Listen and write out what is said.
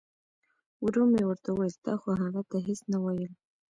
ورو مې ورته وویل تا خو هغه ته هیڅ نه ویل.